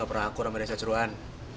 gak pernah akur sama desa ceruan